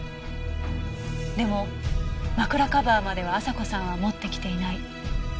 でも枕カバーまでは亜沙子さんは持ってきていない。